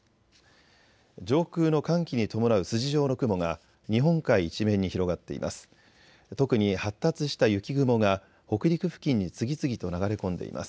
上空の寒気に伴う筋状の雲が日本海一面に広がっています。